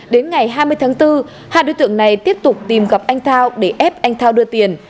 đến ngày hai mươi tháng bốn hai đối tượng này tiếp tục tìm gặp anh thao để ép anh thao đưa tiền